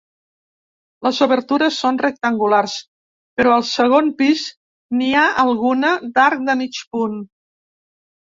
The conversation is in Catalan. Les obertures són rectangulars però al segon pis n’hi ha alguna d’arc de mig punt.